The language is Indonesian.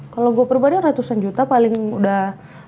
kalau gue perbanding ratusan juta paling udah